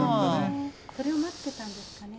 それを待ってたんですかね。